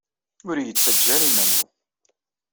Ur iyi-ttaǧǧa ara iman-iw